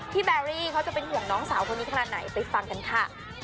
แบรี่เขาจะเป็นห่วงน้องสาวคนนี้ขนาดไหนไปฟังกันค่ะ